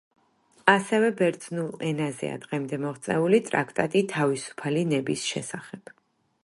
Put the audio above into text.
ასევე ბერძნულ ენაზეა დღემდე მოღწეული ტრაქტატი „თავისუფალი ნების შესახებ“.